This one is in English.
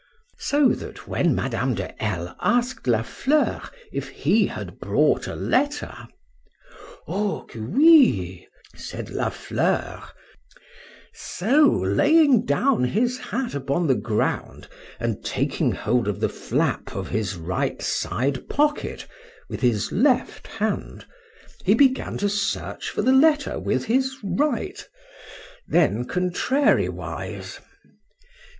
so that when Madame de L— asked La Fleur if he had brought a letter,—O qu'oui, said La Fleur: so laying down his hat upon the ground, and taking hold of the flap of his right side pocket with his left hand, he began to search for the letter with his right;—then contrariwise.